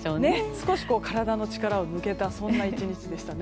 少し体の力が抜けたそんな１日でしたね。